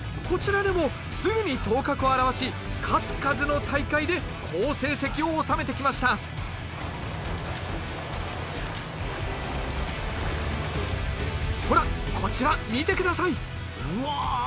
こちらでもすぐに頭角を現し数々の大会で好成績を収めてきましたほらこちら見て下さいうわ！